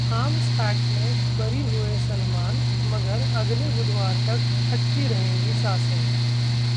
arms act में बरी हुए सलमान, मगर अगले बुधवार तक अटकी रहेंगी सांसें